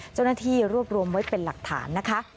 เจ้าหน้าที่รวบรวมไว้เป็นหลักฐานนะคะ